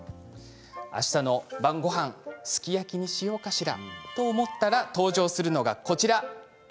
あしたの晩ごはんすき焼きにしようかしらと思ったら登場するのがこちら。